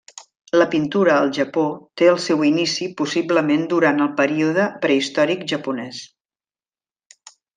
La pintura al Japó té el seu inici possiblement durant el període prehistòric japonès.